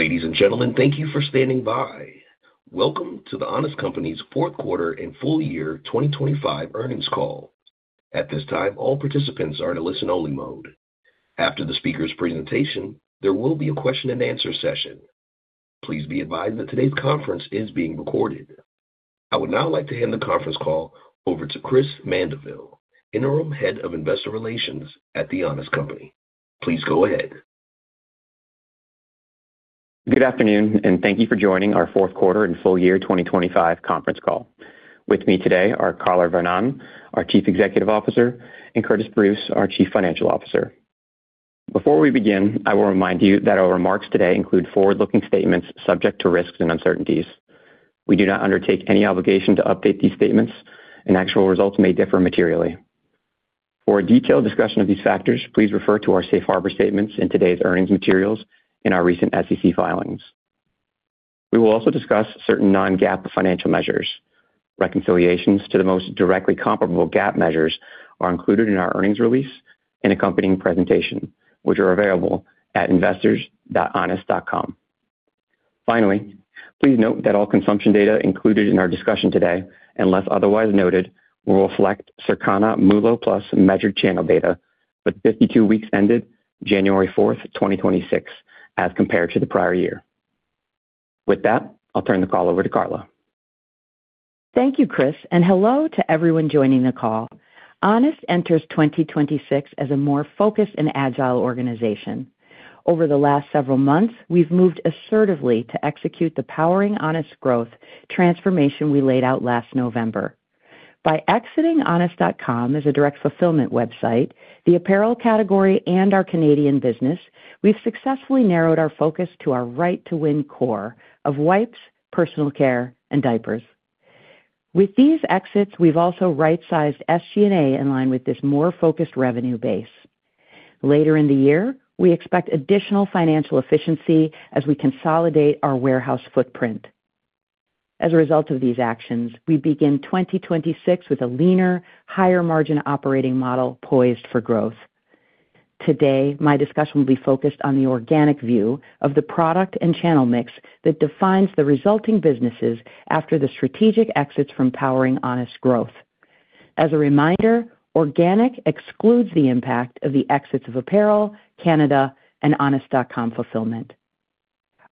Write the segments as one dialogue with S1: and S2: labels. S1: Ladies and gentlemen, thank you for standing by. Welcome to The Honest Company's Q4 and Full Year 2025 Earnings Call. At this time, all participants are in a listen-only mode. After the speaker's presentation, there will be a question and answer session. Please be advised that today's conference is being recorded. I would now like to hand the conference call over to Chris Mandeville, Interim Head of Investor Relations at The Honest Company. Please go ahead.
S2: Good afternoon. Thank you for joining our Q4 and Full Year 2025 Conference Call. With me today are Carla Vernón, our Chief Executive Officer, and Curtiss Bruce, our Chief Financial Officer. Before we begin, I will remind you that our remarks today include forward-looking statements subject to risks and uncertainties. We do not undertake any obligation to update these statements, and actual results may differ materially. For a detailed discussion of these factors, please refer to our safe harbor statements in today's earnings materials in our recent SEC filings. We will also discuss certain non-GAAP financial measures. Reconciliations to the most directly comparable GAAP measures are included in our earnings release and accompanying presentation, which are available at investors.honest.com. Finally, please note that all consumption data included in our discussion today, unless otherwise noted, will reflect Circana MULO+ measured channel data for the 52 weeks ended January 4th, 2026, as compared to the prior year. With that, I'll turn the call over to Carla.
S3: Thank you, Chris. Hello to everyone joining the call. Honest enters 2026 as a more focused and agile organization. Over the last several months, we've moved assertively to execute the Powering Honest Growth transformation we laid out last November. By exiting honest.com as a direct fulfillment website, the apparel category, and our Canadian business, we've successfully narrowed our focus to our right to win core of wipes, personal care, and diapers. With these exits, we've also right-sized SG&A in line with this more focused revenue base. Later in the year, we expect additional financial efficiency as we consolidate our warehouse footprint. As a result of these actions, we begin 2026 with a leaner, higher-margin operating model poised for growth. Today, my discussion will be focused on the organic view of the product and channel mix that defines the resulting businesses after the strategic exits from Powering Honest Growth. As a reminder, organic excludes the impact of the exits of apparel, Canada, and honest.com fulfillment.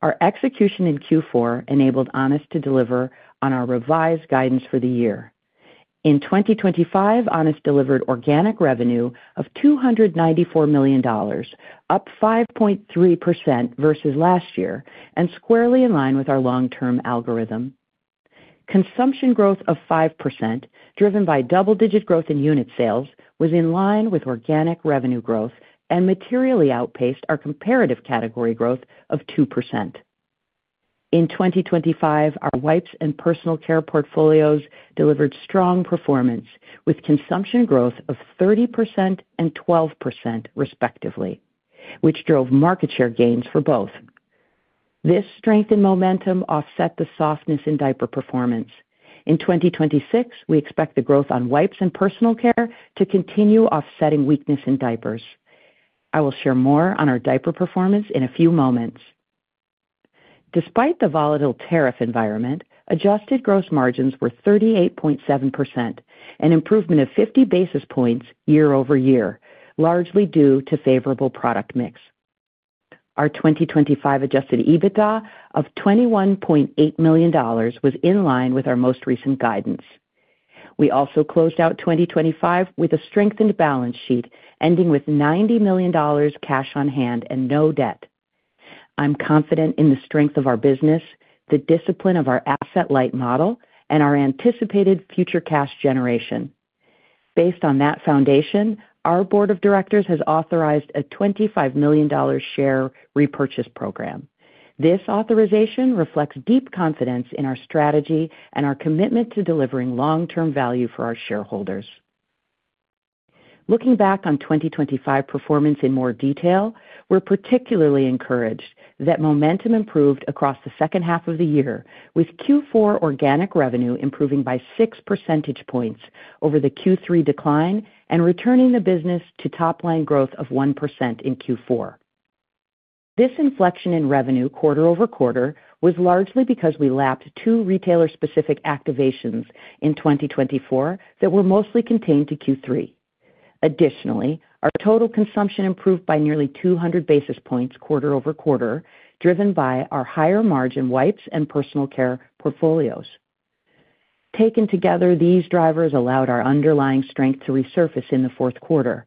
S3: Our execution in Q4 enabled Honest to deliver on our revised guidance for the year. In 2025, Honest delivered organic revenue of $294 million, up 5.3% versus last year, and squarely in line with our long-term algorithm. Consumption growth of 5%, driven by double-digit growth in unit sales, was in line with organic revenue growth and materially outpaced our comparative category growth of 2%. In 2025, our wipes and personal care portfolios delivered strong performance, with consumption growth of 30% and 12%, respectively, which drove market share gains for both. This strength and momentum offset the softness in diaper performance. In 2026, we expect the growth on wipes and personal care to continue offsetting weakness in diapers. I will share more on our diaper performance in a few moments. Despite the volatile tariff environment, adjusted gross margins were 38.7%, an improvement of 50 basis points year-over-year, largely due to favorable product mix. Our 2025 adjusted EBITDA of $21.8 million was in line with our most recent guidance. We also closed out 2025 with a strengthened balance sheet, ending with $90 million cash on hand and no debt. I'm confident in the strength of our business, the discipline of our asset-light model, and our anticipated future cash generation. Based on that foundation, our board of directors has authorized a $25 million share repurchase program. This authorization reflects deep confidence in our strategy and our commitment to delivering long-term value for our shareholders. Looking back on 2025 performance in more detail, we're particularly encouraged that momentum improved across the H2 of the year, with Q4 organic revenue improving by 6 percentage points over the Q3 decline and returning the business to top-line growth of 1% in Q4. This inflection in revenue quarter-over-quarter was largely because we lapped two retailer-specific activations in 2024 that were mostly contained to Q3. Additionally, our total consumption improved by nearly 200 basis points quarter-over-quarter, driven by our higher-margin wipes and personal care portfolios. Taken together, these drivers allowed our underlying strength to resurface in the Q4.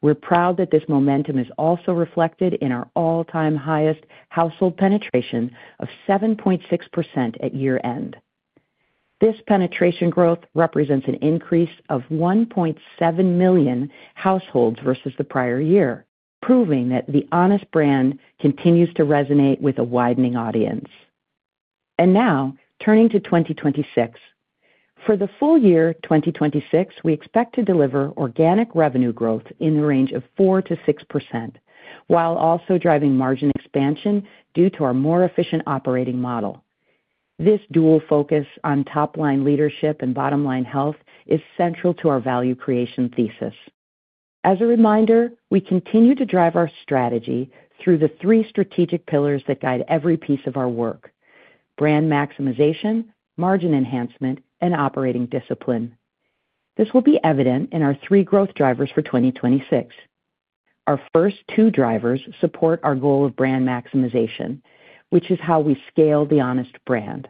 S3: We're proud that this momentum is also reflected in our all-time highest household penetration of 7.6% at year-end. This penetration growth represents an increase of 1.7 million households versus the prior year, proving that the Honest brand continues to resonate with a widening audience. Now, turning to 2026. For the Full Year 2026, we expect to deliver organic revenue growth in the range of 4%-6%, while also driving margin expansion due to our more efficient operating model. This dual focus on top-line leadership and bottom-line health is central to our value creation thesis. As a reminder, we continue to drive our strategy through the three strategic pillars that guide every piece of our work: brand maximization, margin enhancement, and operating discipline. This will be evident in our three growth drivers for 2026. Our first two drivers support our goal of brand maximization, which is how we scale the Honest brand.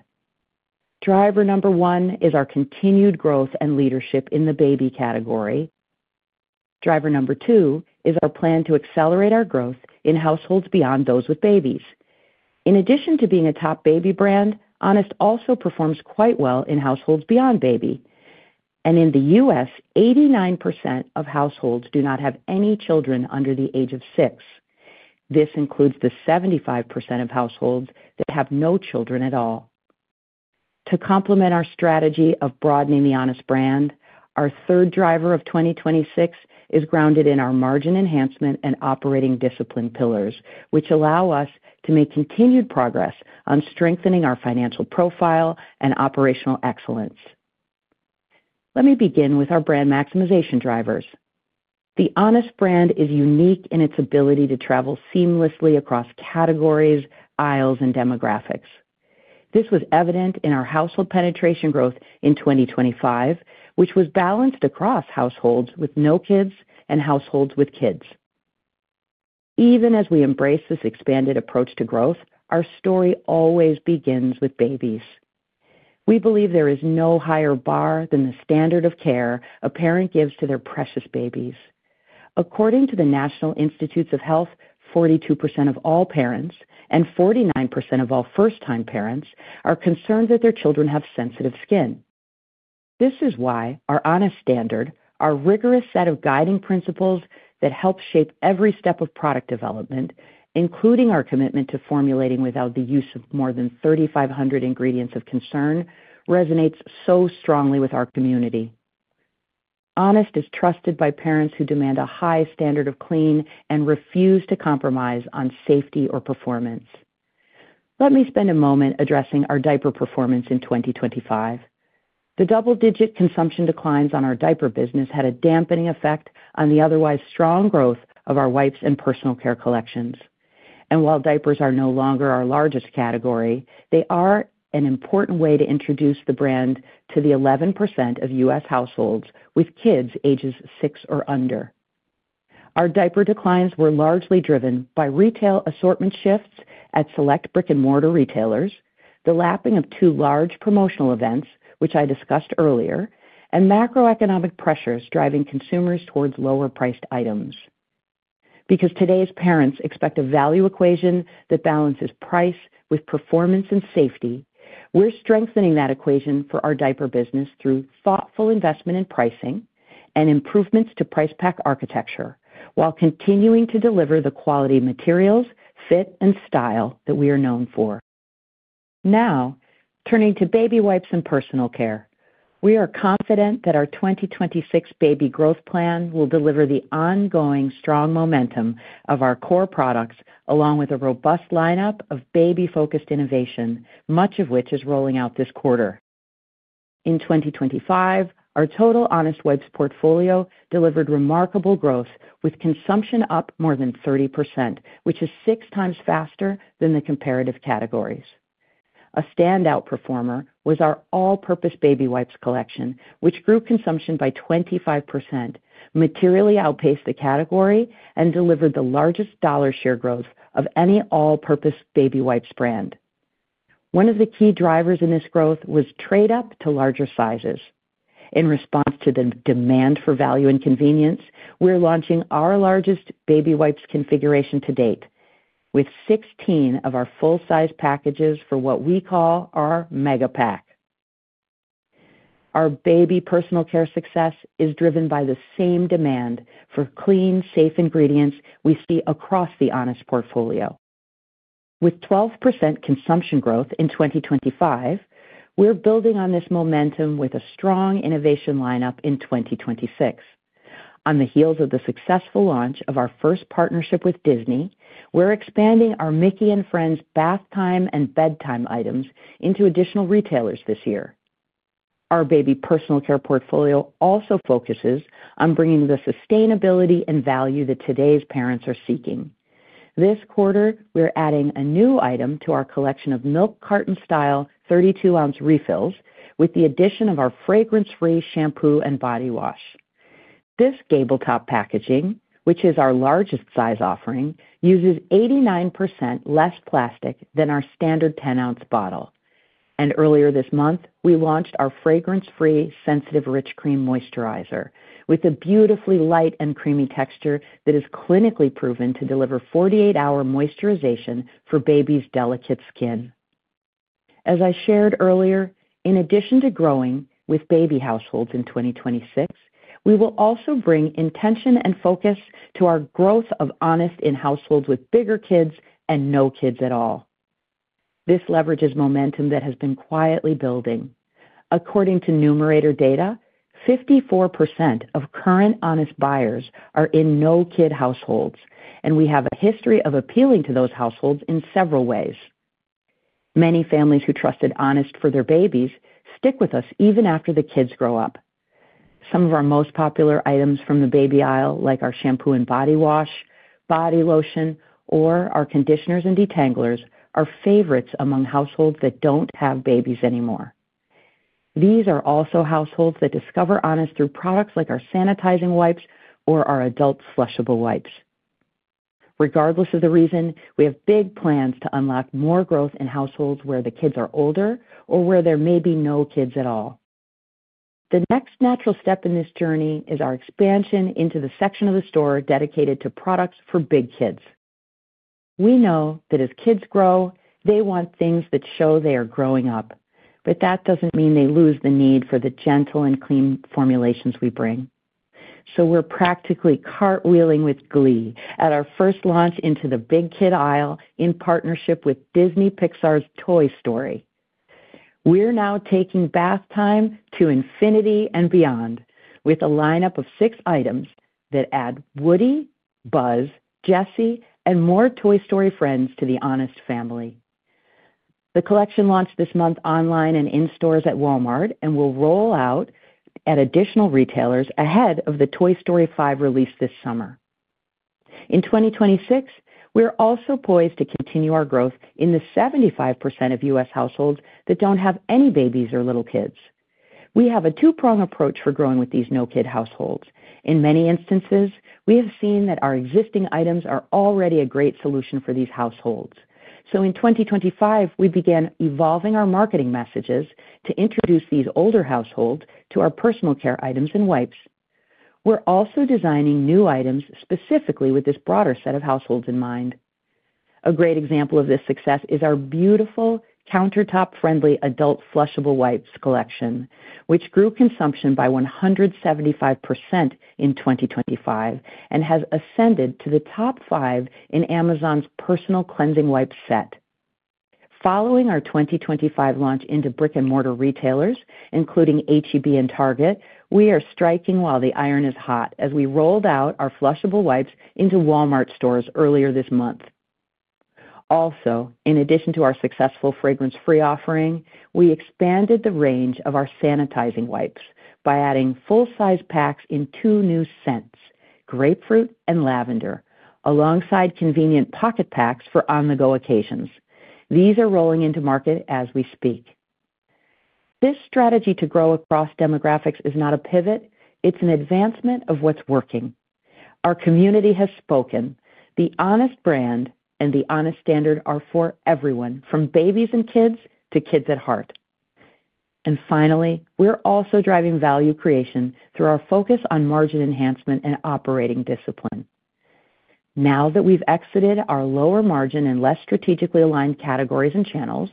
S3: Driver number one is our continued growth and leadership in the baby category. Driver number two is our plan to accelerate our growth in households beyond those with babies. In addition to being a top baby brand, Honest also performs quite well in households beyond baby. In the U.S., 89% of households do not have any children under the age of six. This includes the 75% of households that have no children at all. To complement our strategy of broadening the Honest brand, our third driver of 2026 is grounded in our margin enhancement and operating discipline pillars, which allow us to make continued progress on strengthening our financial profile and operational excellence. Let me begin with our brand maximization drivers. The Honest brand is unique in its ability to travel seamlessly across categories, aisles, and demographics. This was evident in our household penetration growth in 2025, which was balanced across households with no kids and households with kids. Even as we embrace this expanded approach to growth, our story always begins with babies. We believe there is no higher bar than the standard of care a parent gives to their precious babies. According to the National Institutes of Health, 42% of all parents and 49% of all first-time parents are concerned that their children have sensitive skin. This is why our Honest Standard, our rigorous set of guiding principles that help shape every step of product development, including our commitment to formulating without the use of more than 3,500 ingredients of concern, resonates so strongly with our community. Honest is trusted by parents who demand a high standard of clean and refuse to compromise on safety or performance. Let me spend a moment addressing our diaper performance in 2025. The double-digit consumption declines on our diaper business had a dampening effect on the otherwise strong growth of our wipes and personal care collections. While diapers are no longer our largest category, they are an important way to introduce the brand to the 11% of U.S. households with kids ages 6 or under. Our diaper declines were largely driven by retail assortment shifts at select brick-and-mortar retailers, the lapping of 2 large promotional events, which I discussed earlier, and macroeconomic pressures driving consumers towards lower-priced items. Today's parents expect a value equation that balances price with performance and safety, we're strengthening that equation for our diaper business through thoughtful investment in pricing and improvements to price pack architecture, while continuing to deliver the quality materials, fit, and style that we are known for. Turning to baby wipes and personal care. We are confident that our 2026 baby growth plan will deliver the ongoing strong momentum of our core products, along with a robust lineup of baby-focused innovation, much of which is rolling out this quarter. In 2025, our total Honest wipes portfolio delivered remarkable growth, with consumption up more than 30%, which is 6x faster than the comparative categories. A standout performer was our all-purpose baby wipes collection, which grew consumption by 25%, materially outpaced the category, and delivered the largest dollar share growth of any all-purpose baby wipes brand. One of the key drivers in this growth was trade up to larger sizes. In response to the demand for value and convenience, we're launching our largest baby wipes configuration to date, with 16 of our full-size packages for what we call our Mega Pack. Our baby personal care success is driven by the same demand for clean, safe ingredients we see across The Honest portfolio. With 12% consumption growth in 2025, we're building on this momentum with a strong innovation lineup in 2026. On the heels of the successful launch of our first partnership with Disney, we're expanding our Mickey and Friends bath time and bedtime items into additional retailers this year. Our baby personal care portfolio also focuses on bringing the sustainability and value that today's parents are seeking. This quarter, we're adding a new item to our collection of milk carton style 32-ounce refills with the addition of our fragrance-free shampoo and body wash. This gable top packaging, which is our largest size offering, uses 89% less plastic than our standard 10-ounce bottle. Earlier this month, we launched our fragrance-free Sensitive Rich Cream Moisturizer, with a beautifully light and creamy texture that is clinically proven to deliver 48-hour moisturization for babies' delicate skin. As I shared earlier, in addition to growing with baby households in 2026, we will also bring intention and focus to our growth of Honest in households with bigger kids and no kids at all. This leverages momentum that has been quietly building. According to Numerator data, 54% of current Honest buyers are in no-kid households, and we have a history of appealing to those households in several ways. Many families who trusted Honest for their babies stick with us even after the kids grow up. Some of our most popular items from the baby aisle, like our shampoo and body wash, body lotion, or our conditioners and detanglers, are favorites among households that don't have babies anymore. These are also households that discover Honest through products like our sanitizing wipes or our adult flushable wipes. Regardless of the reason, we have big plans to unlock more growth in households where the kids are older or where there may be no kids at all. The next natural step in this journey is our expansion into the section of the store dedicated to products for big kids. We know that as kids grow, they want things that show they are growing up, but that doesn't mean they lose the need for the gentle and clean formulations we bring. We're practically cartwheeling with glee at our first launch into the big kid aisle in partnership with Disney•Pixar's Toy Story. We're now taking bath time to infinity and beyond, with a lineup of six items that add Woody, Buzz, Jessie, and more Toy Story friends to the Honest family. The collection launched this month online and in stores at Walmart, and will roll out at additional retailers ahead of the Toy Story 5 release this summer. In 2026, we are also poised to continue our growth in the 75% of U.S. households that don't have any babies or little kids. We have a two-prong approach for growing with these no-kid households. In many instances, we have seen that our existing items are already a great solution for these households. In 2025, we began evolving our marketing messages to introduce these older households to our personal care items and wipes. We're also designing new items specifically with this broader set of households in mind. A great example of this success is our beautiful countertop-friendly adult flushable wipes collection, which grew consumption by 175% in 2025 and has ascended to the top 5 in Amazon's personal cleansing wipes set. Following our 2025 launch into brick-and-mortar retailers, including H-E-B and Target, we are striking while the iron is hot as we rolled out our flushable wipes into Walmart stores earlier this month. In addition to our successful fragrance-free offering, we expanded the range of our sanitizing wipes by adding full-size packs in 2 new scents, grapefruit and lavender, alongside convenient pocket packs for on-the-go occasions. These are rolling into market as we speak. This strategy to grow across demographics is not a pivot, it's an advancement of what's working. Our community has spoken. The Honest brand and the Honest Standard are for everyone, from babies and kids to kids at heart. Finally, we're also driving value creation through our focus on margin enhancement and operating discipline. Now that we've exited our lower margin and less strategically aligned categories and channels,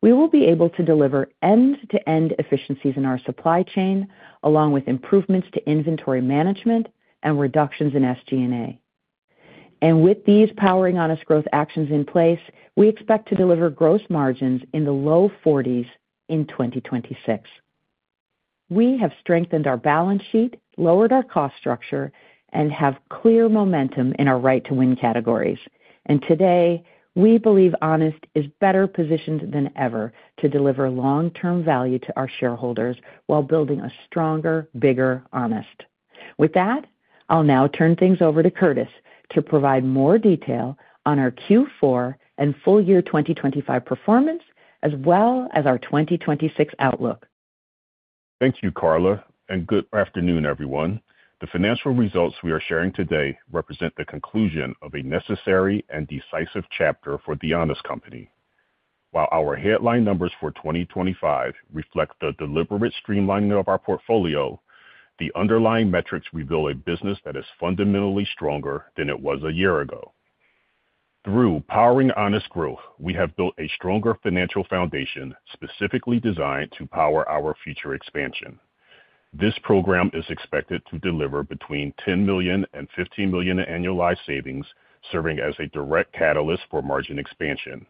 S3: we will be able to deliver end-to-end efficiencies in our supply chain, along with improvements to inventory management and reductions in SG&A. With these Powering Honest Growth actions in place, we expect to deliver gross margins in the low 40s% in 2026. We have strengthened our balance sheet, lowered our cost structure, and have clear momentum in our right to win categories. Today, we believe Honest is better positioned than ever to deliver long-term value to our shareholders while building a stronger, bigger, Honest. With that, I'll now turn things over to Curtiss to provide more detail on our Q4 and Full Year 2025 performance, as well as our 2026 outlook.
S4: Thank you, Carla. Good afternoon, everyone. The financial results we are sharing today represent the conclusion of a necessary and decisive chapter for The Honest Company. While our headline numbers for 2025 reflect the deliberate streamlining of our portfolio, the underlying metrics reveal a business that is fundamentally stronger than it was a year ago. Through Powering Honest Growth, we have built a stronger financial foundation, specifically designed to power our future expansion. This program is expected to deliver between $10 million and $15 million in annualized savings, serving as a direct catalyst for margin expansion,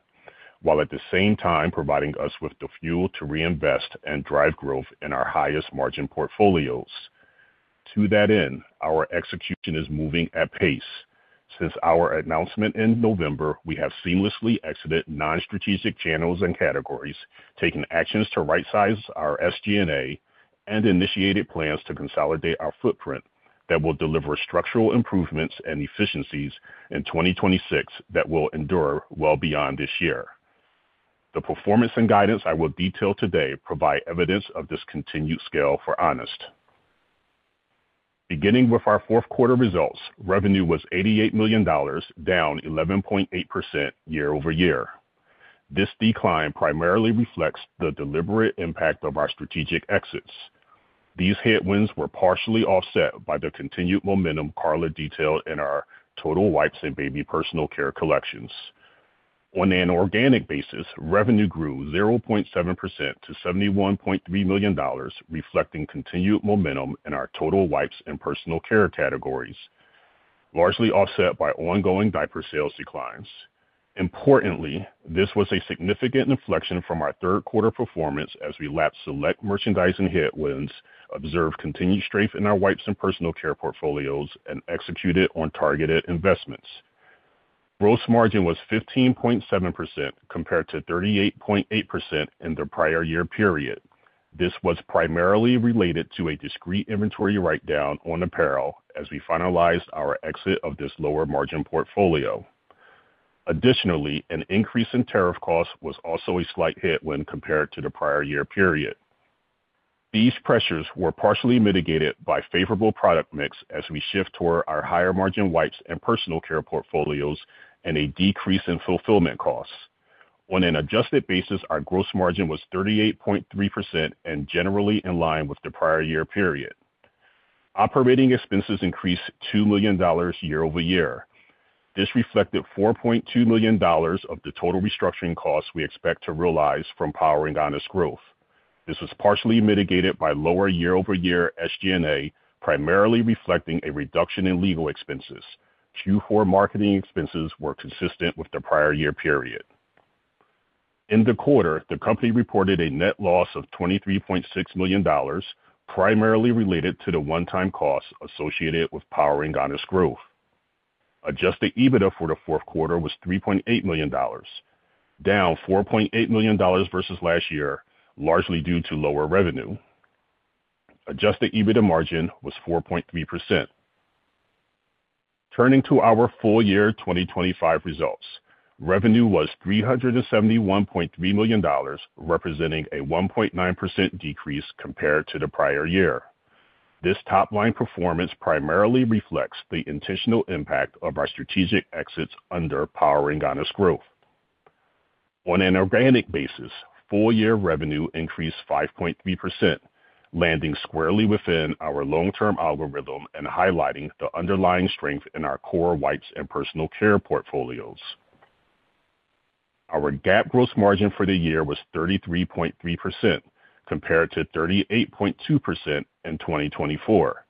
S4: while at the same time providing us with the fuel to reinvest and drive growth in our highest margin portfolios. To that end, our execution is moving at pace. Since our announcement in November, we have seamlessly exited non-strategic channels and categories, taking actions to rightsize our SG&A and initiated plans to consolidate our footprint that will deliver structural improvements and efficiencies in 2026 that will endure well beyond this year. The performance and guidance I will detail today provide evidence of this continued scale for Honest. Beginning with our Q4 results, revenue was $88 million, down 11.8% year-over-year. This decline primarily reflects the deliberate impact of our strategic exits. These headwinds were partially offset by the continued momentum Carla detailed in our total wipes and baby personal care collections. On an organic basis, revenue grew 0.7% to $71.3 million, reflecting continued momentum in our total wipes and personal care categories, largely offset by ongoing diaper sales declines. Importantly, this was a significant inflection from our Q3 performance as we lapped select merchandise and headwinds, observed continued strength in our wipes and personal care portfolios, and executed on targeted investments. Gross margin was 15.7% compared to 38.8% in the prior year period. This was primarily related to a discrete inventory write-down on apparel as we finalized our exit of this lower margin portfolio. Additionally, an increase in tariff costs was also a slight hit when compared to the prior year period. These pressures were partially mitigated by favorable product mix as we shift toward our higher-margin wipes and personal care portfolios and a decrease in fulfillment costs. On an adjusted basis, our gross margin was 38.3% and generally in line with the prior year period. Operating expenses increased $2 million year-over-year. This reflected $4.2 million of the total restructuring costs we expect to realize from Powering Honest Growth. This was partially mitigated by lower year-over-year SG&A, primarily reflecting a reduction in legal expenses. Q4 marketing expenses were consistent with the prior year period. In the quarter, the company reported a net loss of $23.6 million, primarily related to the one-time costs associated with Powering Honest Growth. Adjusted EBITDA for the Q4 was $3.8 million, down $4.8 million versus last year, largely due to lower revenue. Adjusted EBITDA margin was 4.3%. Turning to our Full Year 2025 results, revenue was $371.3 million, representing a 1.9% decrease compared to the prior year. This top-line performance primarily reflects the intentional impact of our strategic exits under Powering Honest Growth. On an organic basis, full year revenue increased 5.3%, landing squarely within our long-term algorithm and highlighting the underlying strength in our core wipes and personal care portfolios. Our GAAP gross margin for the year was 33.3%, compared to 38.2% in 2024.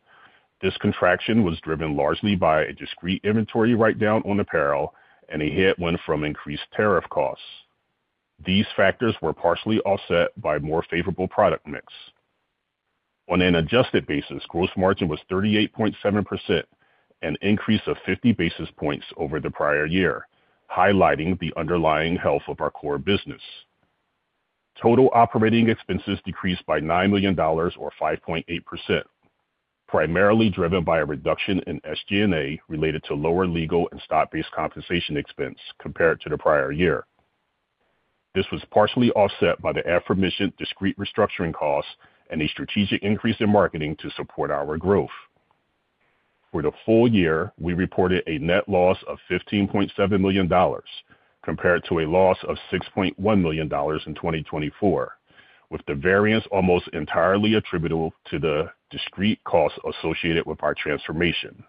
S4: This contraction was driven largely by a discrete inventory write-down on apparel and a headwind from increased tariff costs. These factors were partially offset by more favorable product mix. On an adjusted basis, gross margin was 38.7%, an increase of 50 basis points over the prior year, highlighting the underlying health of our core business. Total operating expenses decreased by $9 million or 5.8%, primarily driven by a reduction in SG&A related to lower legal and stock-based compensation expense compared to the prior year. This was partially offset by the aforementioned discrete restructuring costs and a strategic increase in marketing to support our growth. For the Full Year, we reported a net loss of $15.7 million, compared to a loss of $6.1 million in 2024, with the variance almost entirely attributable to the discrete costs associated with our transformation.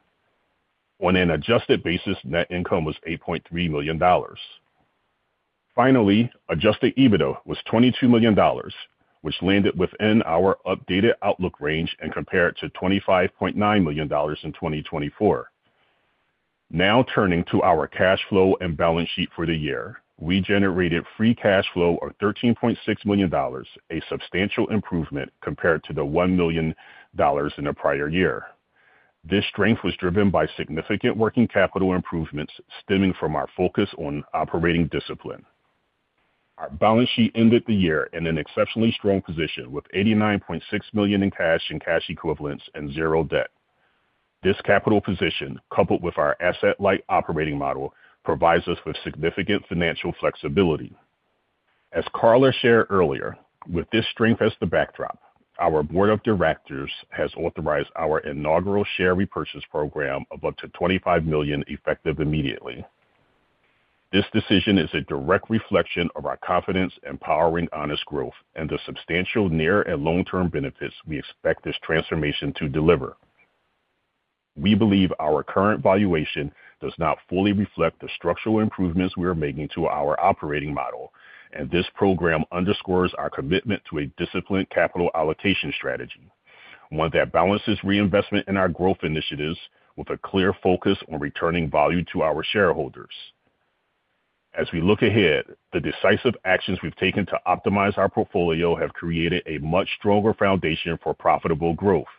S4: On an adjusted basis, net income was $8.3 million. Finally, adjusted EBITDA was $22 million, which landed within our updated outlook range and compared to $25.9 million in 2024. Turning to our cash flow and balance sheet for the year. We generated free cash flow of $13.6 million, a substantial improvement compared to the $1 million in the prior year. This strength was driven by significant working capital improvements stemming from our focus on operating discipline. Our balance sheet ended the year in an exceptionally strong position, with $89.6 million in cash and cash equivalents and zero debt. This capital position, coupled with our asset-light operating model, provides us with significant financial flexibility. As Carla shared earlier, with this strength as the backdrop, our board of directors has authorized our inaugural share repurchase program of up to $25 million, effective immediately. This decision is a direct reflection of our confidence in Powering Honest Growth and the substantial near and long-term benefits we expect this transformation to deliver. We believe our current valuation does not fully reflect the structural improvements we are making to our operating model, and this program underscores our commitment to a disciplined capital allocation strategy, one that balances reinvestment in our growth initiatives with a clear focus on returning value to our shareholders. As we look ahead, the decisive actions we've taken to optimize our portfolio have created a much stronger foundation for profitable growth.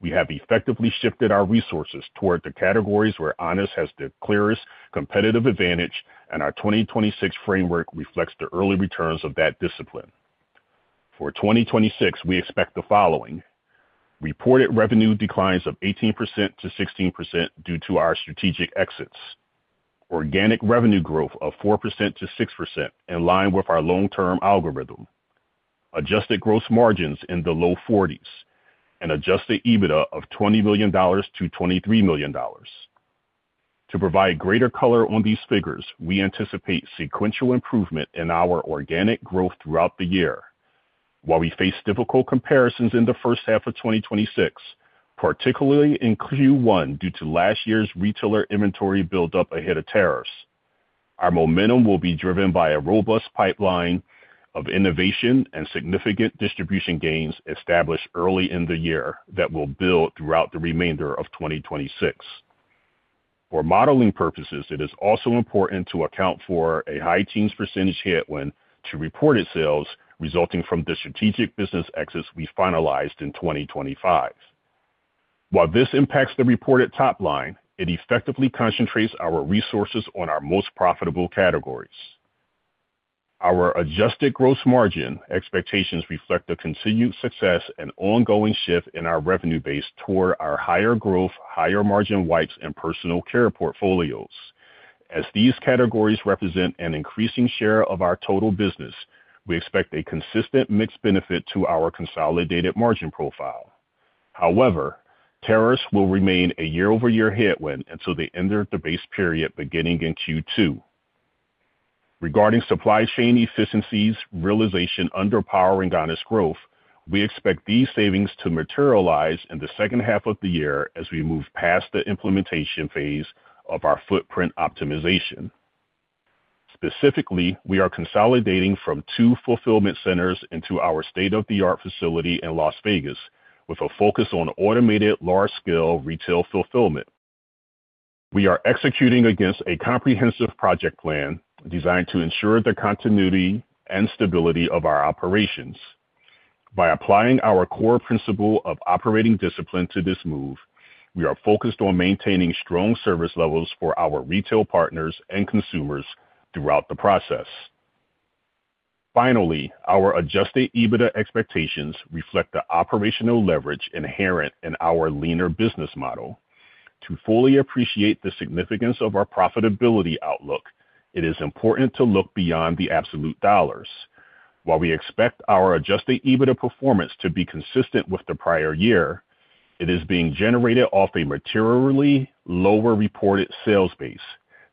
S4: We have effectively shifted our resources toward the categories where Honest has the clearest competitive advantage, and our 2026 framework reflects the early returns of that discipline. For 2026, we expect the following: Reported revenue declines of 18%-16% due to our strategic exits, organic revenue growth of 4%-6% in line with our long-term algorithm, adjusted gross margins in the low 40s, and adjusted EBITDA of $20 million-$23 million. To provide greater color on these figures, we anticipate sequential improvement in our organic growth throughout the year. While we face difficult comparisons in the H1 of 2026, particularly in Q1, due to last year's retailer inventory buildup ahead of tariffs, our momentum will be driven by a robust pipeline of innovation and significant distribution gains established early in the year that will build throughout the remainder of 2026. For modeling purposes, it is also important to account for a high teens % headwind to reported sales resulting from the strategic business exits we finalized in 2025. While this impacts the reported top line, it effectively concentrates our resources on our most profitable categories. Our adjusted gross margin expectations reflect the continued success and ongoing shift in our revenue base toward our higher growth, higher margin wipes and personal care portfolios. As these categories represent an increasing share of our total business, we expect a consistent mixed benefit to our consolidated margin profile. However, tariffs will remain a year-over-year headwind until they enter the base period beginning in Q2. Regarding supply chain efficiencies realization under Powering Honest Growth, we expect these savings to materialize in the H2 of the year as we move past the implementation phase of our footprint optimization. Specifically, we are consolidating from two fulfillment centers into our state-of-the-art facility in Las Vegas, with a focus on automated large-scale retail fulfillment. We are executing against a comprehensive project plan designed to ensure the continuity and stability of our operations. By applying our core principle of operating discipline to this move, we are focused on maintaining strong service levels for our retail partners and consumers throughout the process. Finally, our adjusted EBITDA expectations reflect the operational leverage inherent in our leaner business model. To fully appreciate the significance of our profitability outlook, it is important to look beyond the absolute dollars. While we expect our adjusted EBITDA performance to be consistent with the prior year, it is being generated off a materially lower reported sales base.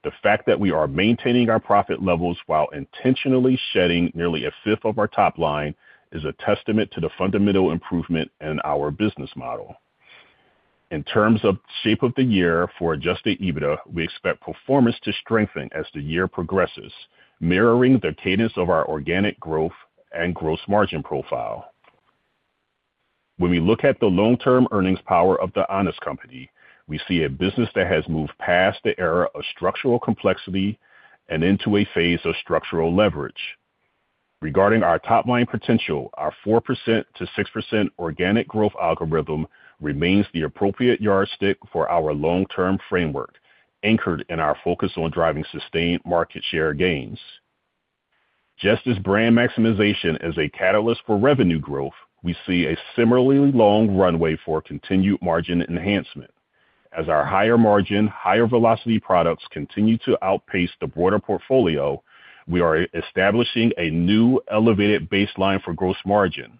S4: The fact that we are maintaining our profit levels while intentionally shedding nearly a fifth of our top line is a testament to the fundamental improvement in our business model. In terms of shape of the year for adjusted EBITDA, we expect performance to strengthen as the year progresses, mirroring the cadence of our organic growth and gross margin profile. When we look at the long-term earnings power of The Honest Company, we see a business that has moved past the era of structural complexity and into a phase of structural leverage. Regarding our top-line potential, our 4%-6% organic growth algorithm remains the appropriate yardstick for our long-term framework, anchored in our focus on driving sustained market share gains. Just as brand maximization is a catalyst for revenue growth, we see a similarly long runway for continued margin enhancement. As our higher margin, higher velocity products continue to outpace the broader portfolio, we are establishing a new elevated baseline for gross margin.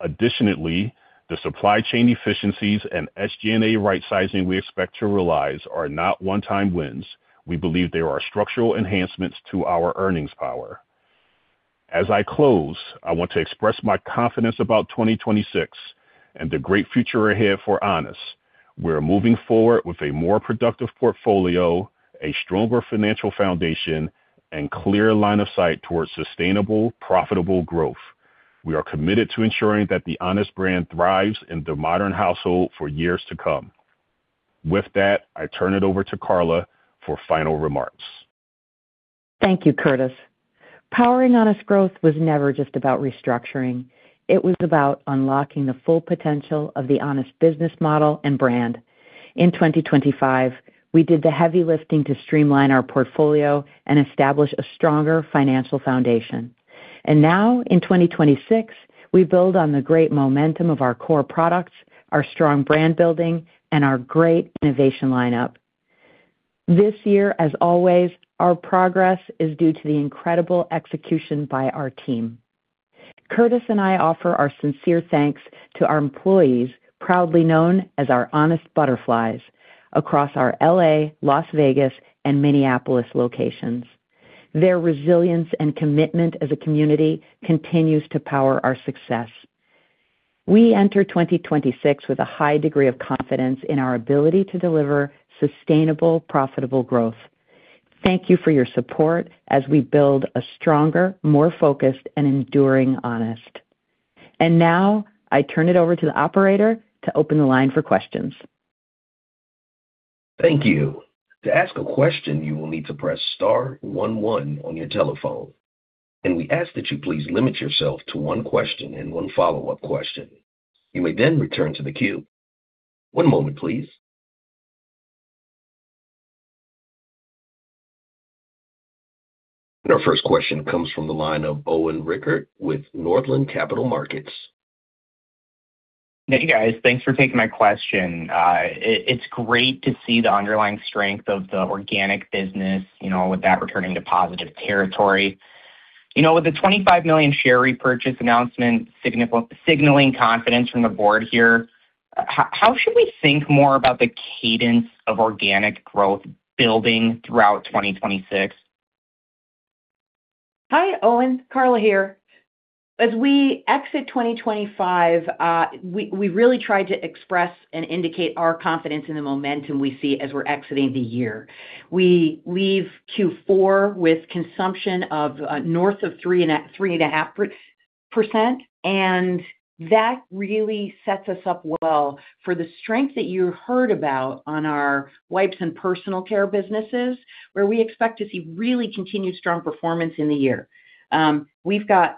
S4: Additionally, the supply chain efficiencies and SG&A rightsizing we expect to realize are not one-time wins. We believe they are structural enhancements to our earnings power. As I close, I want to express my confidence about 2026 and the great future ahead for Honest. We're moving forward with a more productive portfolio, a stronger financial foundation, and clear line of sight towards sustainable, profitable growth. We are committed to ensuring that the Honest brand thrives in the modern household for years to come. With that, I turn it over to Carla for final remarks.
S3: Thank you, Curtiss. Powering Honest Growth was never just about restructuring. It was about unlocking the full potential of the Honest business model and brand. In 2025, we did the heavy lifting to streamline our portfolio and establish a stronger financial foundation. Now, in 2026, we build on the great momentum of our core products, our strong brand building, and our great innovation lineup. This year, as always, our progress is due to the incredible execution by our team. Curtiss and I offer our sincere thanks to our employees, proudly known as our Honest Butterflies, across our L.A., Las Vegas, and Minneapolis locations. Their resilience and commitment as a community continues to power our success. We enter 2026 with a high degree of confidence in our ability to deliver sustainable, profitable growth. Thank you for your support as we build a stronger, more focused and enduring Honest. Now I turn it over to the operator to open the line for questions.
S1: Thank you. To ask a question, you will need to press star one on your telephone, and we ask that you please limit yourself to one question and one follow-up question. You may return to the queue. One moment, please. Our first question comes from the line of Owen Rickert with Northland Capital Markets.
S5: Hey, guys. Thanks for taking my question. It's great to see the underlying strength of the organic business, you know, with that returning to positive territory. You know, with the $25 million share repurchase announcement signaling confidence from the board here, how should we think more about the cadence of organic growth building throughout 2026?
S3: Hi, Owen. Carla here. We exit 2025, we really tried to express and indicate our confidence in the momentum we see as we're exiting the year. We leave Q4 with consumption of north of 3.5%, and that really sets us up well for the strength that you heard about on our wipes and personal care businesses, where we expect to see really continued strong performance in the year. With a...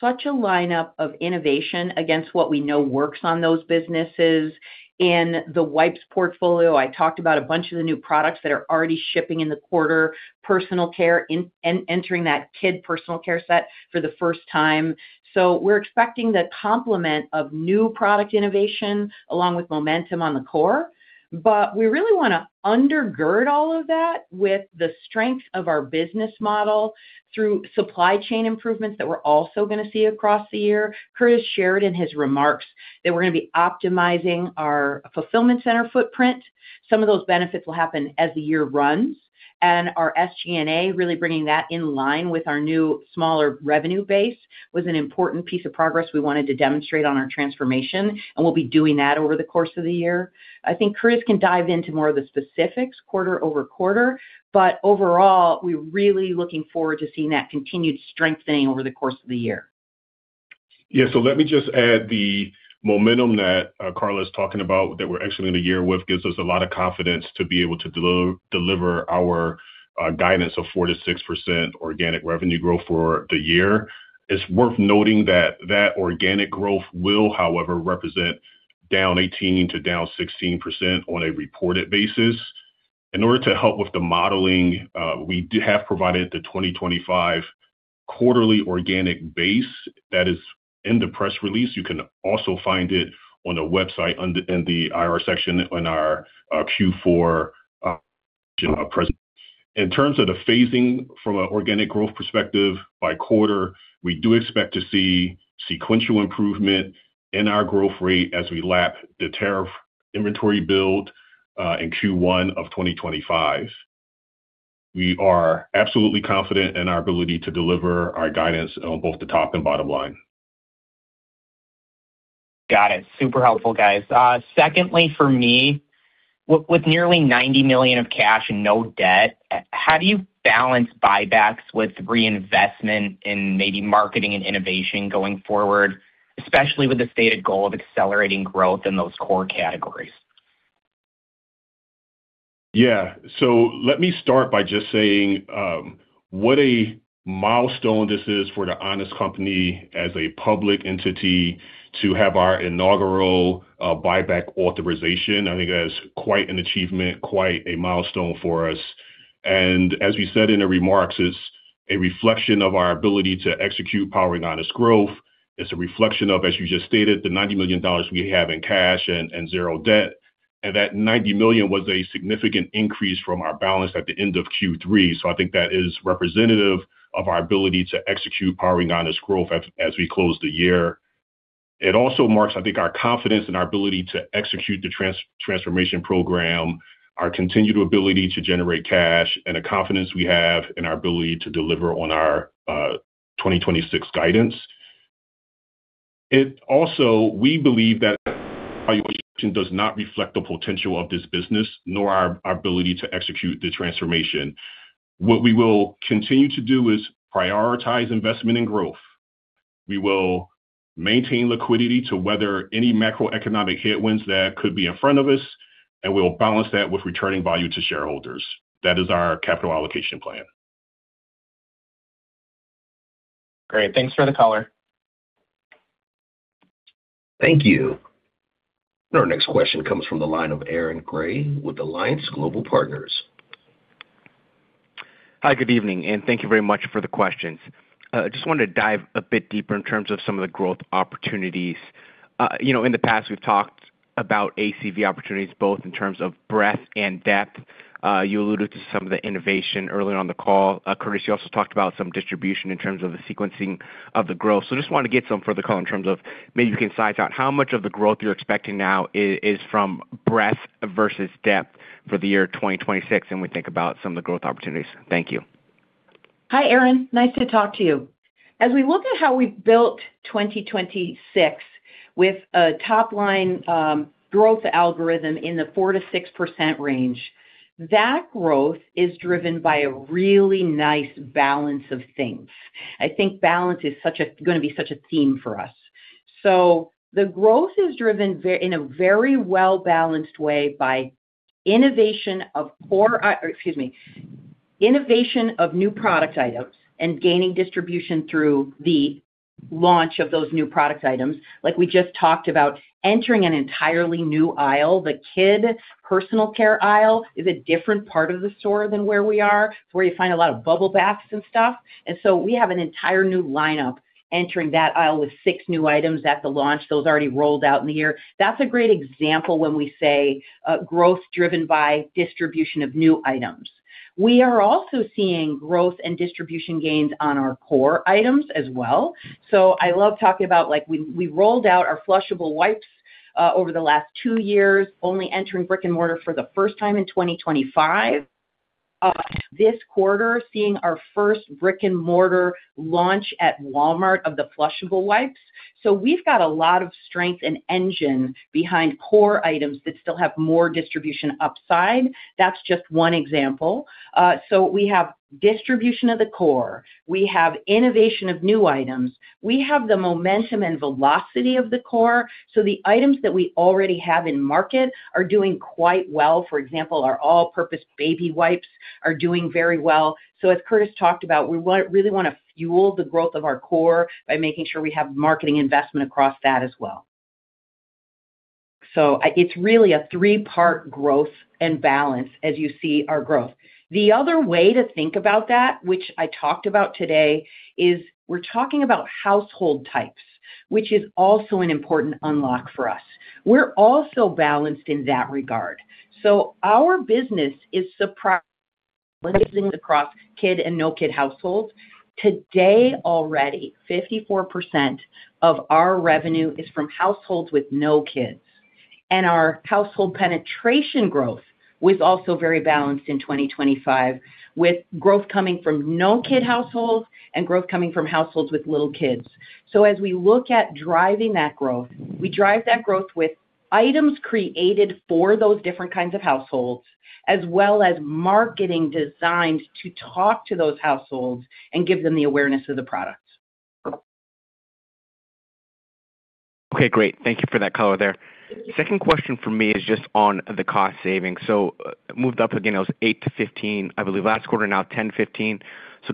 S3: such a line up of innovation against what we know works on those businesses. In the wipes portfolio, I talked about a bunch of the new products that are already shipping in the quarter, personal care, entering that kid personal care set for the first time. We're expecting the complement of new product innovation along with momentum on the core. We really wanna undergird all of that with the strength of our business model through supply chain improvements that we're also gonna see across the year. Curtiss shared in his remarks that we're gonna be optimizing our fulfillment center footprint. Some of those benefits will happen as the year runs, and our SG&A, really bringing that in line with our new, smaller revenue base, was an important piece of progress we wanted to demonstrate on our transformation, and we'll be doing that over the course of the year. I think Curtiss can dive into more of the specifics quarter-over-quarter. Overall, we're really looking forward to seeing that continued strengthening over the course of the year.
S4: Let me just add the momentum that Carla is talking about, that we're exiting the year with, gives us a lot of confidence to be able to deliver our guidance of 4%-6% organic revenue growth for the year. It's worth noting that that organic growth will, however, represent down 18% to down 16% on a reported basis. In order to help with the modeling, we do have provided the 2025 quarterly organic base that is in the press release. You can also find it on the website under, in the IR section on our Q4 present. In terms of the phasing from an organic growth perspective by quarter, we do expect to see sequential improvement in our growth rate as we lap the tariff inventory build in Q1 of 2025. We are absolutely confident in our ability to deliver our guidance on both the top and bottom line.
S5: Got it. Super helpful, guys. Secondly, for me, with nearly $90 million of cash and no debt, how do you balance buybacks with reinvestment in maybe marketing and innovation going forward, especially with the stated goal of accelerating growth in those core categories?
S4: Let me start by just saying, what a milestone this is for The Honest Company as a public entity to have our inaugural buyback authorization. I think that's quite an achievement, quite a milestone for us. As we said in the remarks, it's a reflection of our ability to execute Powering Honest Growth. It's a reflection of, as you just stated, the $90 million we have in cash and zero debt. That $90 million was a significant increase from our balance at the end of Q3. I think that is representative of our ability to execute Powering Honest Growth as we close the year. It also marks, I think, our confidence in our ability to execute the transformation program, our continued ability to generate cash, and the confidence we have in our ability to deliver on our 2026 guidance. We believe that evaluation does not reflect the potential of this business, nor our ability to execute the transformation. What we will continue to do is prioritize investment and growth. We will maintain liquidity to weather any macroeconomic headwinds that could be in front of us, and we'll balance that with returning value to shareholders. That is our capital allocation plan.
S5: Great. Thanks for the color.
S1: Thank you. Our next question comes from the line of Aaron Grey with Alliance Global Partners.
S6: Hi, good evening, and thank you very much for the questions. I just wanted to dive a bit deeper in terms of some of the growth opportunities. You know, in the past, we've talked about ACV opportunities, both in terms of breadth and depth. You alluded to some of the innovation earlier on the call. Curtiss, you also talked about some distribution in terms of the sequencing of the growth. Just want to get some further color in terms of maybe you can size out how much of the growth you're expecting now is from breadth versus depth for the year 2026, and we think about some of the growth opportunities. Thank you.
S3: Hi, Aaron. Nice to talk to you. As we look at how we've built 2026 with a top line, growth algorithm in the 4%-6% range, that growth is driven by a really nice balance of things. I think balance is gonna be such a theme for us. The growth is driven very, in a very well-balanced way by innovation of core, excuse me, innovation of new product items and gaining distribution through the launch of those new product items. Like we just talked about, entering an entirely new aisle, the kid personal care aisle, is a different part of the store than where we are, where you find a lot of bubble baths and stuff. We have an entire new lineup entering that aisle with 6 new items at the launch. Those already rolled out in the year. That's a great example when we say, growth driven by distribution of new items. We are also seeing growth and distribution gains on our core items as well. I love talking about, like, we rolled out our flushable wipes over the last two years, only entering brick-and-mortar for the first time in 2025. This quarter, seeing our first brick-and-mortar launch at Walmart of the flushable wipes. We've got a lot of strength and engine behind core items that still have more distribution upside. That's just one example. We have distribution of the core, we have innovation of new items, we have the momentum and velocity of the core, so the items that we already have in market are doing quite well. For example, our all-purpose baby wipes are doing very well. As Curtiss talked about, we really wanna fuel the growth of our core by making sure we have marketing investment across that as well. It's really a 3-part growth and balance as you see our growth. The other way to think about that, which I talked about today, is we're talking about household types, which is also an important unlock for us. We're also balanced in that regard. Our business is surprisingly across kid and no-kid households. Today, already, 54% of our revenue is from households with no kids, and our household penetration growth was also very balanced in 2025, with growth coming from no-kid households and growth coming from households with little kids. As we look at driving that growth, we drive that growth with items created for those different kinds of households, as well as marketing designed to talk to those households and give them the awareness of the products.
S6: Okay, great. Thank you for that color there. Second question for me is just on the cost savings. Moved up again, it was 8-15, I believe, last quarter, now 10-15.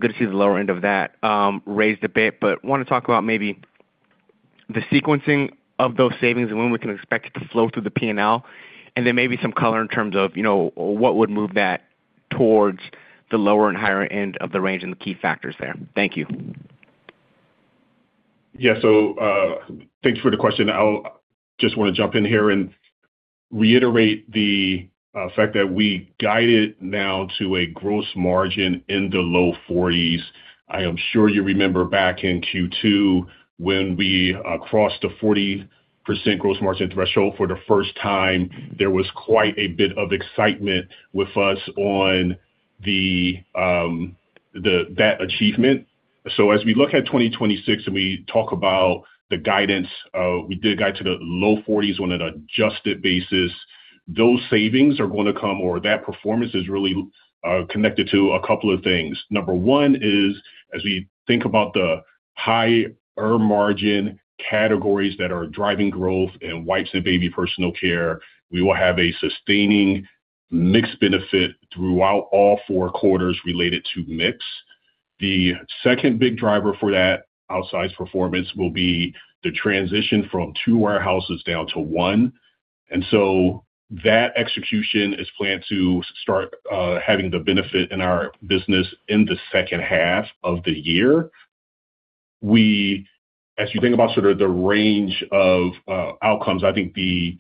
S6: Good to see the lower end of that, raised a bit, but want to talk about maybe the sequencing of those savings and when we can expect it to flow through the PNL, and then maybe some color in terms of, you know, what would move that towards the lower and higher end of the range and the key factors there. Thank you.
S4: Thanks for the question. I just want to jump in here and reiterate the fact that we guided now to a gross margin in the low 40s. I am sure you remember back in Q2, when we crossed the 40% gross margin threshold for the first time, there was quite a bit of excitement with us on that achievement. As we look at 2026 and we talk about the guidance, we did guide to the low 40s on an adjusted basis. Those savings are going to come, or that performance is really connected to a couple of things. Number one is, as we think about the higher margin categories that are driving growth in wipes and baby personal care, we will have a sustaining mix benefit throughout all four quarters related to mix. The second big driver for that outsized performance will be the transition from 2 warehouses down to 1. That execution is planned to start having the benefit in our business in the H2 of the year. As you think about the range of outcomes, I think the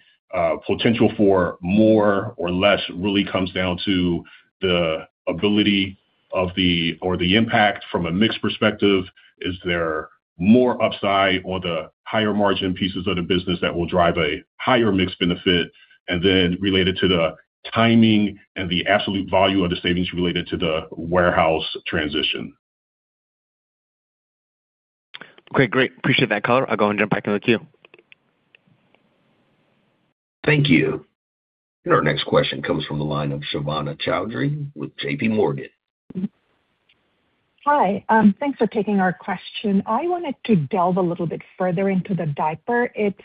S4: potential for more or less really comes down to the ability of the or the impact from a mix perspective. Is there more upside or the higher margin pieces of the business that will drive a higher mix benefit? Related to the timing and the absolute value of the savings related to the warehouse transition.
S6: Okay, great. Appreciate that color. I'll go and jump back in the queue.
S1: Thank you. Our next question comes from the line of Shovon Chowdhury with JPMorgan.
S7: Hi, thanks for taking our question. I wanted to delve a little bit further into the diaper. It's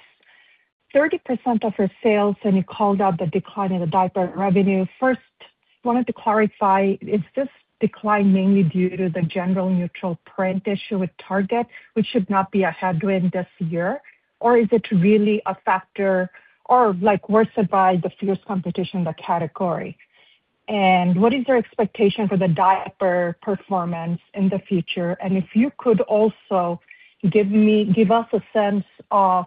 S7: 30% of your sales, and you called out the decline in the diaper revenue. First, wanted to clarify, is this decline mainly due to the general neutral print issue with Target, which should not be a headwind this year? Or is it really a factor, or like, worsened by the fierce competition in the category? What is your expectation for the diaper performance in the future? If you could also give us a sense of,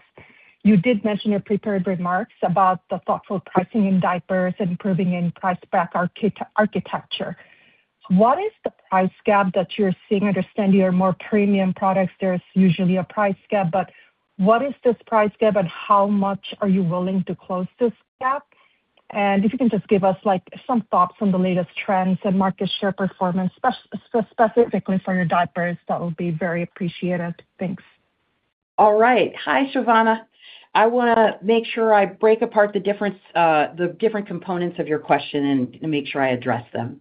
S7: you did mention your prepared remarks about the thoughtful pricing in diapers and improving in price back architecture. What is the price gap that you're seeing? I understand you are more premium products, there's usually a price gap. What is this price gap, and how much are you willing to close this gap? If you can just give us, like, some thoughts on the latest trends and market share performance, specifically for your diapers, that would be very appreciated. Thanks.
S3: All right. Hi, Shovana. I want to make sure I break apart the difference, the different components of your question and make sure I address them.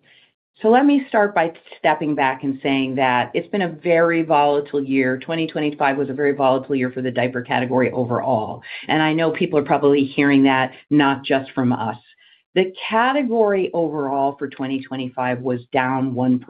S3: Let me start by stepping back and saying that it's been a very volatile year. 2025 was a very volatile year for the diaper category overall, and I know people are probably hearing that, not just from us. The category overall for 2025 was down 1%,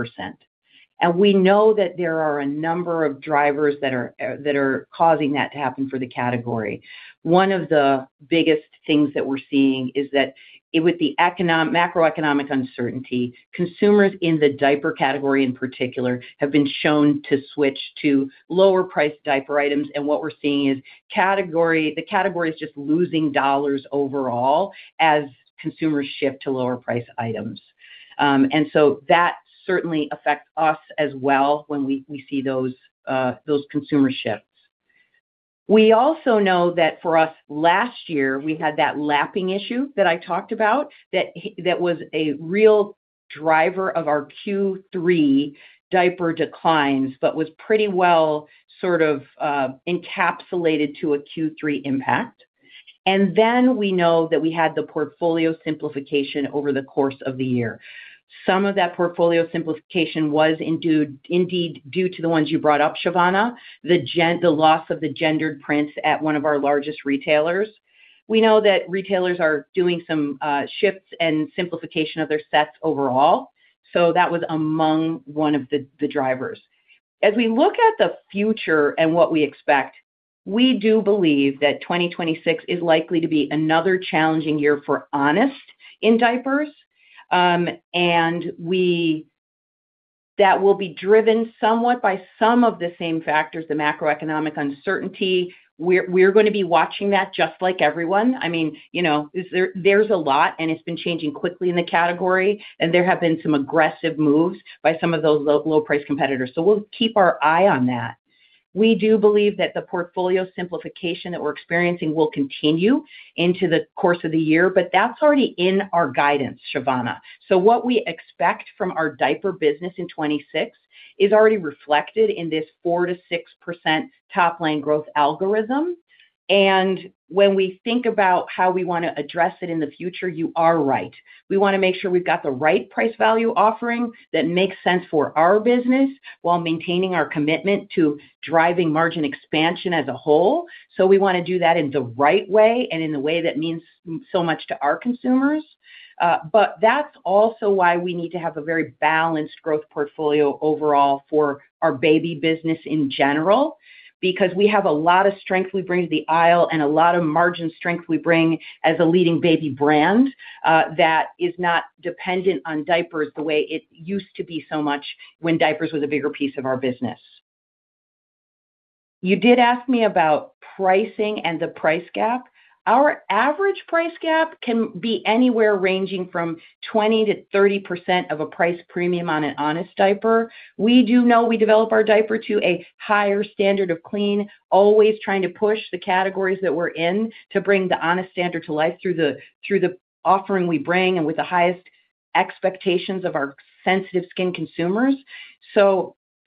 S3: we know that there are a number of drivers that are, that are causing that to happen for the category. One of the biggest things that we're seeing is that with the macroeconomic uncertainty, consumers in the diaper category in particular, have been shown to switch to lower priced diaper items, and what we're seeing is the category is just losing dollars overall as consumers shift to lower price items. That certainly affects us as well when we see those consumer shifts. We also know that for us last year, we had that lapping issue that I talked about, that was a real driver of our Q3 diaper declines, but was pretty well encapsulated to a Q3 impact. We know that we had the portfolio simplification over the course of the year. Some of that portfolio simplification was indeed, due to the ones you brought up, Shavana, the loss of the gendered prints at one of our largest retailers. We know that retailers are doing some shifts and simplification of their sets overall, so that was among one of the drivers. As we look at the future and what we expect, we do believe that 2026 is likely to be another challenging year for Honest in diapers. That will be driven somewhat by some of the same factors, the macroeconomic uncertainty. We're gonna be watching that just like everyone. I mean, you know, there's a lot, and it's been changing quickly in the category, and there have been some aggressive moves by some of those low price competitors. We'll keep our eye on that. We do believe that the portfolio simplification that we're experiencing will continue into the course of the year, that's already in our guidance, Shabana. What we expect from our diaper business in 2026 is already reflected in this 4%-6% top line growth algorithm. When we think about how we wanna address it in the future, you are right. We wanna make sure we've got the right price value offering that makes sense for our business, while maintaining our commitment to driving margin expansion as a whole. We wanna do that in the right way and in a way that means so much to our consumers. That's also why we need to have a very balanced growth portfolio overall for our baby business in general, because we have a lot of strength we bring to the aisle and a lot of margin strength we bring as a leading baby brand that is not dependent on diapers the way it used to be so much when diapers were the bigger piece of our business. You did ask me about pricing and the price gap. Our average price gap can be anywhere ranging from 20%-30% of a price premium on an Honest diaper. We do know we develop our diaper to a higher Standard of clean, always trying to push the categories that we're in to bring the Honest Standard to life through the offering we bring and with the highest expectations of our sensitive skin consumers.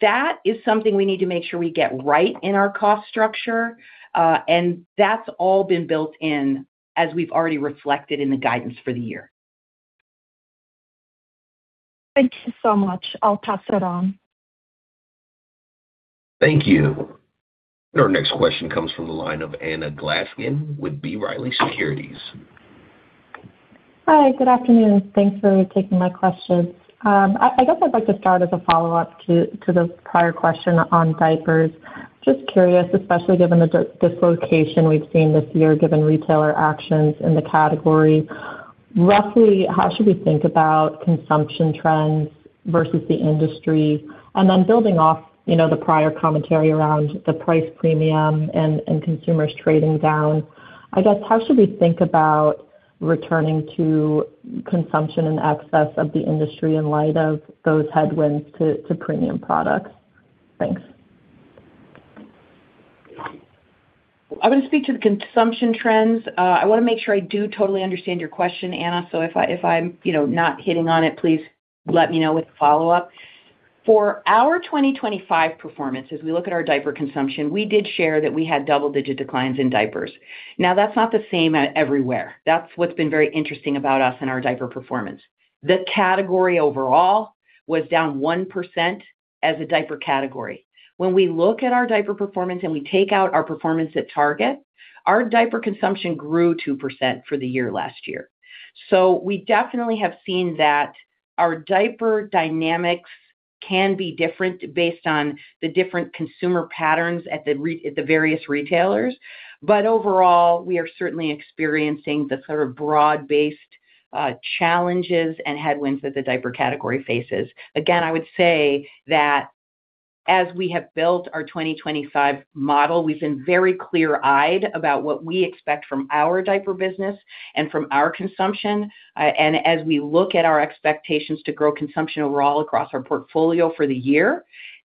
S3: That is something we need to make sure we get right in our cost structure, and that's all been built in as we've already reflected in the guidance for the year.
S7: Thank you so much. I'll pass it on.
S1: Thank you. Our next question comes from the line of Anna Glaessgen with B. Riley Securities.
S8: Hi, good afternoon. Thanks for taking my question. I guess I'd like to start as a follow-up to the prior question on diapers. Just curious, especially given the dislocation we've seen this year, given retailer actions in the category. Roughly, how should we think about consumption trends versus the industry? Then building off, you know, the prior commentary around the price premium and consumers trading down, I guess, how should we think about returning to consumption and excess of the industry in light of those headwinds to premium products? Thanks.
S3: I'm going to speak to the consumption trends. I wanna make sure I do totally understand your question, Anna. If I'm, you know, not hitting on it, please let me know with a follow-up. For our 2025 performance, as we look at our diaper consumption, we did share that we had double-digit declines in diapers. That's not the same at everywhere. That's what's been very interesting about us and our diaper performance. The category overall was down 1% as a diaper category. When we look at our diaper performance and we take out our performance at Target, our diaper consumption grew 2% for the year last year. We definitely have seen that our diaper dynamics can be different based on the different consumer patterns at the various retailers. Overall, we are certainly experiencing the broad-based challenges and headwinds that the diaper category faces. Again, I would say that as we have built our 2025 model, we've been very clear-eyed about what we expect from our diaper business and from our consumption. As we look at our expectations to grow consumption overall across our portfolio for the year,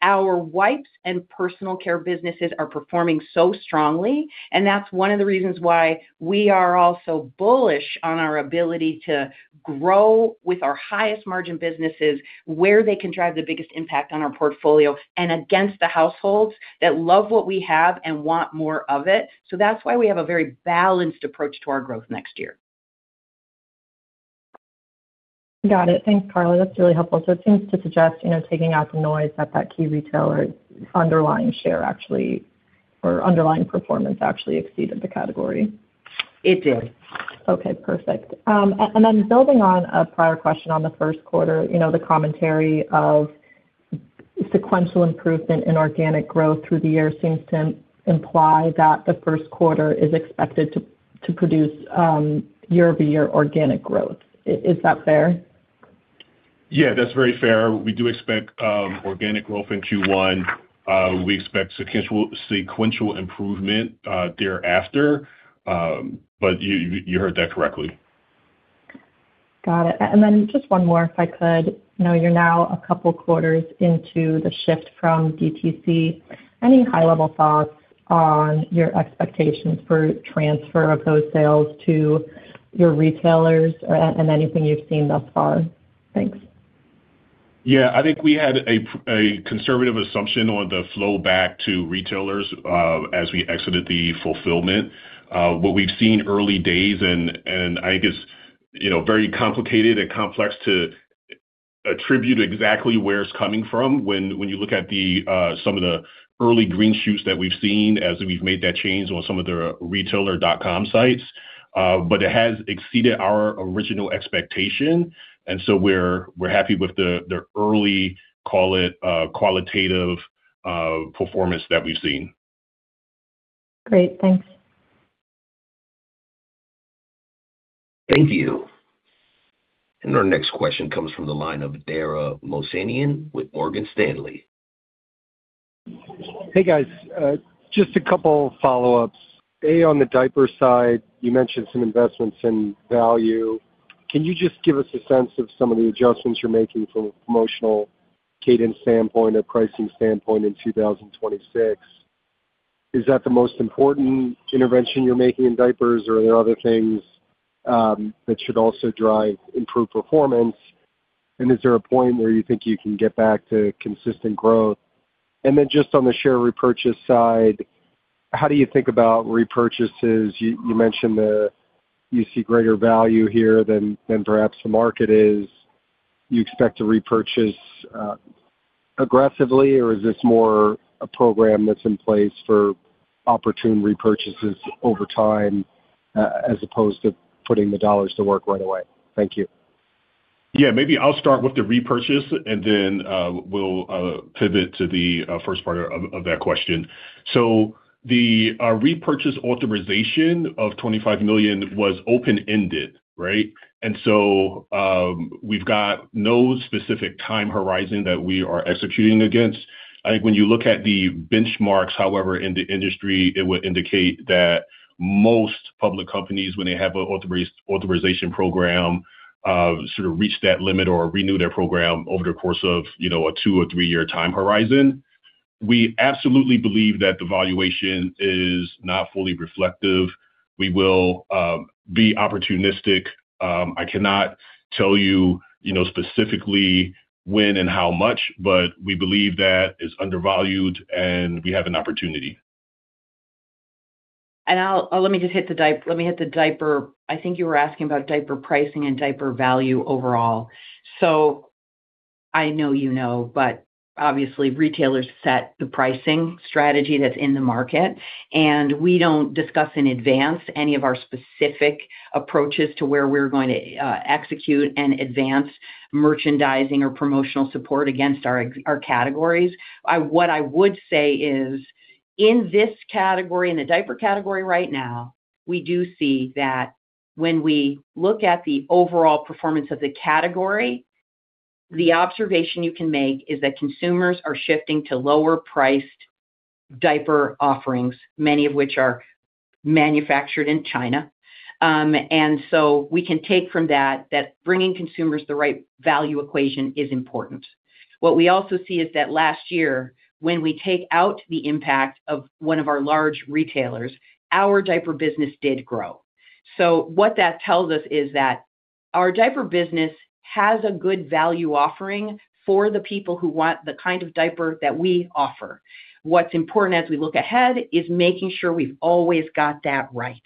S3: our wipes and personal care businesses are performing so strongly, and that's one of the reasons why we are also bullish on our ability to grow with our highest margin businesses, where they can drive the biggest impact on our portfolio and against the households that love what we have and want more of it. That's why we have a very balanced approach to our growth next year.
S8: Got it. Thanks, Carla. That's really helpful. It seems to suggest, you know, taking out the noise at that key retailer, underlying share actually, or underlying performance actually exceeded the category.
S3: It did.
S8: Okay, perfect. Building on a prior question on the Q1, you know, the commentary of sequential improvement in organic growth through the year seems to imply that the Q1 is expected to produce year-over-year organic growth. Is that fair?
S4: Yeah, that's very fair. We do expect organic growth in Q1. We expect sequential improvement thereafter. You heard that correctly.
S8: Got it. Just one more, if I could. I know you're now a couple quarters into the shift from DTC. Any high-level thoughts on your expectations for transfer of those sales to your retailers and anything you've seen thus far? Thanks.
S4: I think we had a conservative assumption on the flowback to retailers as we exited the fulfillment. What we've seen early days, and I think it's, you know, very complicated and complex to attribute exactly where it's coming from when you look at the some of the early green shoots that we've seen as we've made that change on some of the retailer dot com sites. It has exceeded our original expectation, and so we're happy with the early, call it qualitative performance that we've seen.
S8: Great, thanks.
S1: Thank you. Our next question comes from the line of Dara Mohsenian with Morgan Stanley.
S9: Hey, guys. Just a couple follow-ups. A, on the diaper side, you mentioned some investments in value. Can you just give us a sense of some of the adjustments you're making from a promotional cadence standpoint or pricing standpoint in 2026? Is that the most important intervention you're making in diapers, or are there other things that should also drive improved performance? Is there a point where you think you can get back to consistent growth? Just on the share repurchase side, how do you think about repurchases? You mentioned that you see greater value here than perhaps the market is. Do you expect to repurchase aggressively, or is this more a program that's in place for opportune repurchases over time as opposed to putting the dollars to work right away? Thank you.
S4: Yeah, maybe I'll start with the repurchase, and then we'll pivot to the first part of that question. The repurchase authorization of $25 million was open-ended, right? We've got no specific time horizon that we are executing against. I think when you look at the benchmarks, however, in the industry, it would indicate that most public companies, when they have an authorization program reach that limit or renew their program over the course of, you know, a two or three-year time horizon. We absolutely believe that the valuation is not fully reflective. We will be opportunistic. I cannot tell you know, specifically when and how much, but we believe that it's undervalued, and we have an opportunity.
S3: Let me just hit the diaper. I think you were asking about diaper pricing and diaper value overall. I know you know, but obviously retailers set the pricing strategy that's in the market, and we don't discuss in advance any of our specific approaches to where we're going to execute and advance merchandising or promotional support against our categories. What I would say is, in this category, in the diaper category right now, we do see that when we look at the overall performance of the category, the observation you can make is that consumers are shifting to lower-priced diaper offerings, many of which are manufactured in China. We can take from that bringing consumers the right value equation is important. What we also see is that last year, when we take out the impact of 1 of our large retailers, our diaper business did grow. What that tells us is that our diaper business has a good value offering for the people who want the diaper that we offer. What's important as we look ahead is making sure we've always got that right,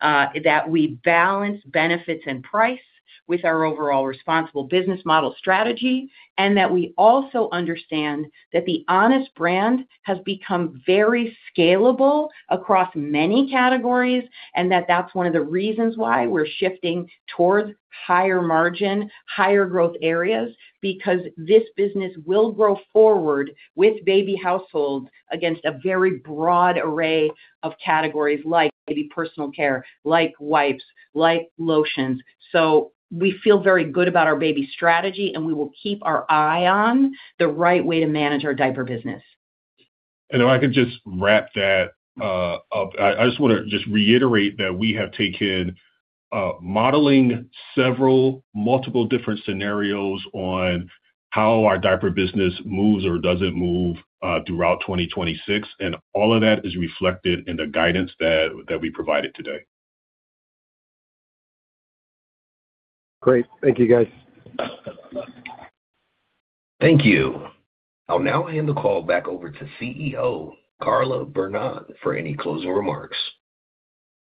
S3: that we balance benefits and price with our overall responsible business model strategy, and that we also understand that the Honest brand has become very scalable across many categories, and that that's 1 of the reasons why we're shifting towards higher margin, higher growth areas, because this business will grow forward with baby households against a very broad array of categories like baby personal care, like wipes, like lotions. We feel very good about our baby strategy, and we will keep our eye on the right way to manage our diaper business.
S4: If I could just wrap that up, I just wanna reiterate that we have taken, modeling several, multiple different scenarios on how our diaper business moves or doesn't move, throughout 2026, and all of that is reflected in the guidance that we provided today.
S9: Great. Thank you, guys.
S1: Thank you. I'll now hand the call back over to CEO Carla Vernón for any closing remarks.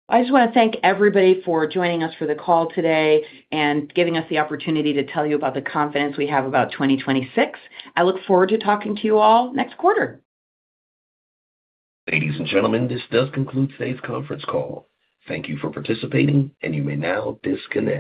S3: I just want to thank everybody for joining us for the call today and giving us the opportunity to tell you about the confidence we have about 2026. I look forward to talking to you all next quarter.
S1: Ladies and gentlemen, this does conclude today's conference call. Thank you for participating, and you may now disconnect.